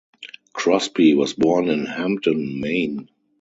Crosby was born in Hampden, Maine.